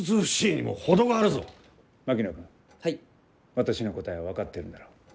私の答えは分かってるんだろう？